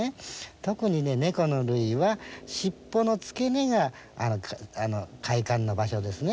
特に猫の類は尻尾のつけ根が快感の場所ですね。